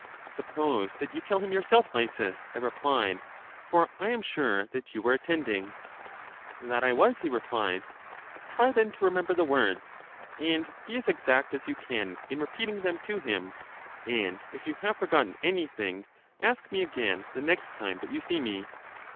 Suppose that you tell him yourself, Lysis, I re plied ; for I am sure that you were attending. That I was, he replied. Try, then, to remember the words, and be as exact LYSIS 61 as you can in repeating them to him, and if you have forgotten anything, ask me again the next time that you see me.